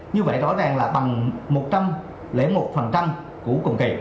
một trăm linh một của cùng kỳ